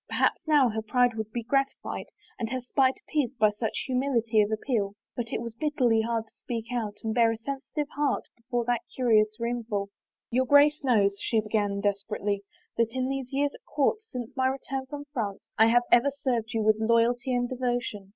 Perhaps now her pride would be gratified and her spite appeased by such humility of ap peal. But it was bitterly hard to speak out and bare a sensitive heart before that curious roomful. ." Your Grace knows," she began desperately, " that in these years at court, since my return from France, I have ever served you with loyalty and devotion.